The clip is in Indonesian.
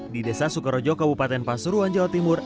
di desa sukarojo kabupaten pasuruan jawa timur